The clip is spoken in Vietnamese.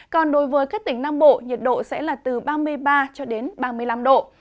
còn đối với các tỉnh nam bộ nhiệt độ sẽ là từ ba mươi ba ba mươi năm độ